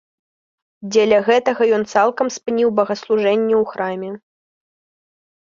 Дзеля гэтага ён цалкам спыніў богаслужэнне ў храме.